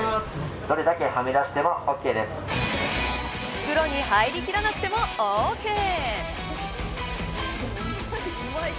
袋に入りきらなくてもオーケー。